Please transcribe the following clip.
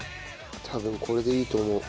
多分これでいいと思う。